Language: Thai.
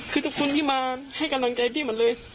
คือทุกคนที่มาให้กำลังใจพี่หมดเลย